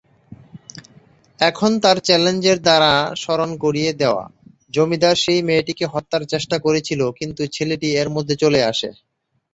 এখন তার চ্যালেঞ্জের দ্বারা স্মরণ করিয়ে দেওয়া, জমিদার সেই মেয়েটিকে হত্যার চেষ্টা করেছিল কিন্তু ছেলেটি এর মধ্যে চলে আসে।